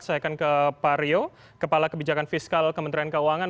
saya akan ke pak rio kepala kebijakan fiskal kementerian keuangan